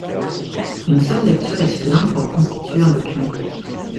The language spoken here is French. Une seule lecture est suffisante pour reconstituer un document.